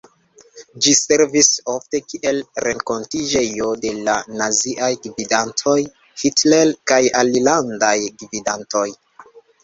Ĝi servis ofte kiel renkontiĝejo de la naziaj gvidantoj, Hitler kaj alilandaj gvidantoj.